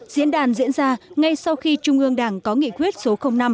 diễn đàn diễn ra ngay sau khi trung ương đảng có nghị quyết số năm